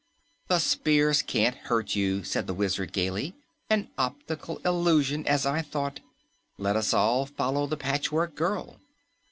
The spears can't hurt you." said the Wizard gaily. "An optical illusion, as I thought. Let us all follow the Patchwork Girl."